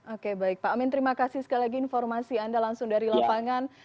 oke baik pak amin terima kasih sekali lagi informasi anda langsung dari lapangan